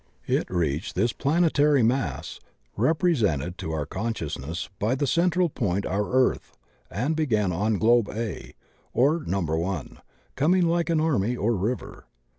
It reached this plan etary mass, represented to our consciousness by the central point our Earth, and began on Globe A or No. 1, coming like an army or river.